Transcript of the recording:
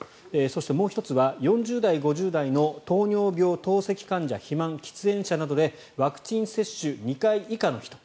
そして、もう１つは４０代、５０代の糖尿病、透析患者肥満、喫煙者などでワクチン接種２回以下の人。